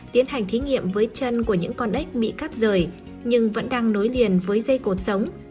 tiến hành thí nghiệm với chân của những con ếch bị cắt rời nhưng vẫn đang nối liền với dây cột sống